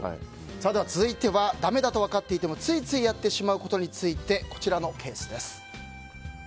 続いてはだめだと分かっていてもついついやってしまうことについてこちらのケースです。